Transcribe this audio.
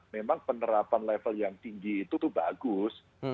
memang penerapan level yang tinggi itu tuh bagus